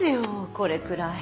これくらい。